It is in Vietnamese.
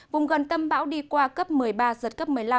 vùng gần tâm bão đi qua cấp một mươi ba giật cấp một mươi năm